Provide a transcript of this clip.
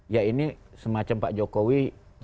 ya ini semacam pak jokowi